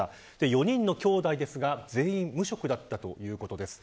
４人のきょうだいですが全員無職だったということです。